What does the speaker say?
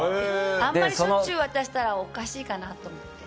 あまりしょっちゅうしたらおかしいかなって。